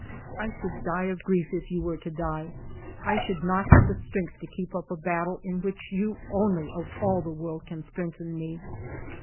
... I should die of grief if you were to die ; I should not have the strength to keep up a battle in which you only of all the world can strengthen me."